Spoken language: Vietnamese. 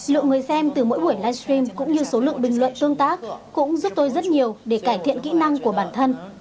lượng người xem từ mỗi buổi livestream cũng như số lượng bình luận tương tác cũng giúp tôi rất nhiều để cải thiện kỹ năng của bản thân